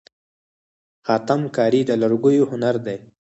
خاتم کاري د لرګیو هنر دی.